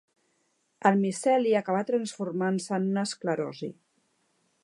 El miceli acaba transformant-se en un escleroci.